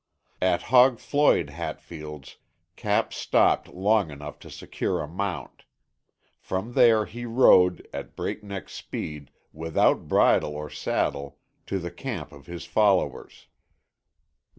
At "Hog Floyd" Hatfield's, Cap stopped long enough to secure a mount. From there he rode, at breakneck speed, without bridle or saddle, to the camp of his followers.